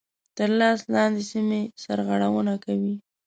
تر لاس لاندي سیمي سرغړوني کوي.